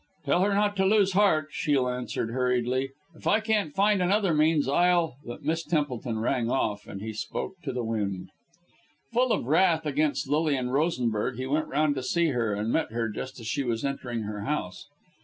"Tell her not to lose heart," Shiel answered hurriedly. "If I can't find any other means, I'll " but Miss Templeton rang off, and he spoke to the wind. Full of wrath against Lilian Rosenberg, he went round to see her, and met her, just as she was entering her house.